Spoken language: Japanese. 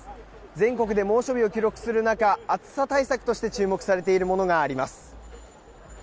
全国で猛暑日を記録する中暑さ対策として注目されているものがあります。